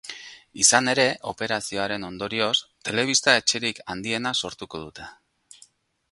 Izan ere, operazioaren ondorioz, telebista-etxerik handiena sortuko dute.